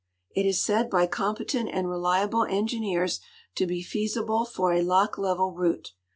It is said by competent and reliable engineers to he feasible for a lock level route.